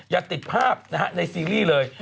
อย่าติดภาพนะฮะในซีรีส์เลย